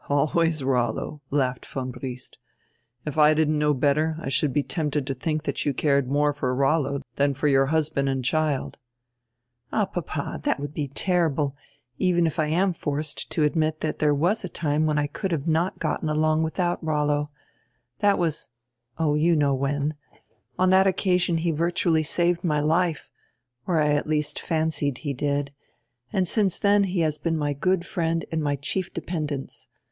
"Always Rollo," laughed von Briest. "If I didn't know better, I should be tempted to diink diat you cared more for Rollo dian for your husband and child." "All, papa, diat would be terrible, even if I am forced to admit diat diere was a time when I could not have gotten along without Rollo. That was — oh, you know when — On that occasion he virtually saved my life, or I at least fancied he did, and since then he has been my good friend and my chief dependence.